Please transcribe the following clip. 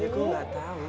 ya gue gak tau